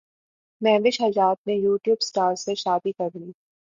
مہوش حیات نے YouTube star سے شادی کرلی